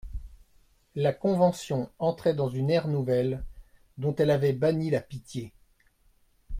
La Convention entrait dans une ère nouvelle dont elle avait banni la pitié.